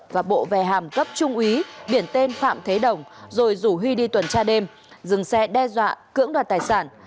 và bộ về hàm cấp trung úy biển tên phạm thế đồng rồi rủ huy đi tuần tra đêm dừng xe đe dọa cưỡng đoạt tài sản